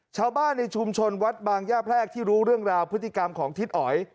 ชาวบ้านในชุมชนวัดบางย่าแพรกที่รู้เรื่องราวพฤติกรรมของทิศอ๋อย